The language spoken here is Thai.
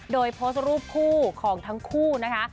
โดยโพสต์รูปคู่ของทั้งคู่นะคะ